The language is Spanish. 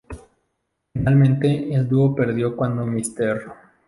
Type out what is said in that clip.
Finalmente, el dúo perdió cuando Mr.